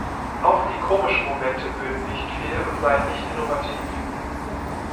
Auch die komischen Momente böten nicht viel und seien nicht innovativ.